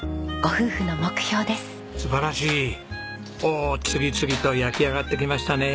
おお次々と焼き上がってきましたね。